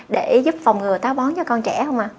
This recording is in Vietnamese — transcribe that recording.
để giúp phòng ngừa táo bón cho con trẻ không ạ